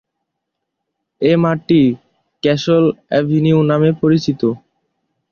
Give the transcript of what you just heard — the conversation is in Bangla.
এ মাঠটি ক্যাসল অ্যাভিনিউ নামে পরিচিত।